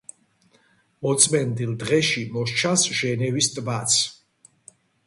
მოწმენდილ დღეში მოსჩანს ჟენევის ტბაც.